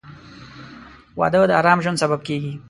• واده د ارام ژوند سبب کېږي.